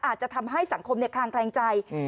อาจจะทำให้สังคมคลางแคลงใจ